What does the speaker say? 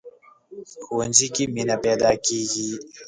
ښوونځی کې مینه پيداکېږي